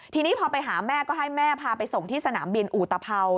ทีนี้พอไปหาแม่ก็ให้แม่พาไปส่งที่สนามบินอุตภัว